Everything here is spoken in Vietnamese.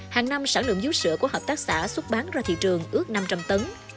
hàng năm sản lượng dũ sữa của hợp tác xã xuất bán ra thị trường ước năm trăm linh tấn